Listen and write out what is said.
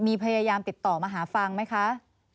มีพยายามติดต่อมาหาฟังไหมคะ